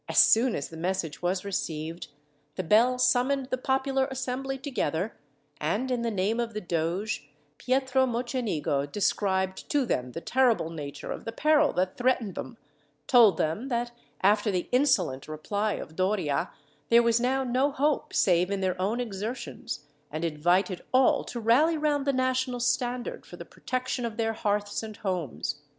As soon as the message was received, the bell summoned the popular assembly together, and, in the name of the doge, Pietro Mocenigo described to them the terrible nature of the peril that threatened them, told them that, after the insolent reply of Doria, there was now no hope save in their own exertions, and invited all to rally round the national standard, for the protection of their hearths and homes.